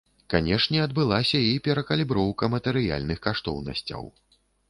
Канешне, адбылася і перакаліброўка матэрыяльных каштоўнасцяў.